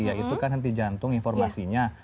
ya itu kan henti jantung informasinya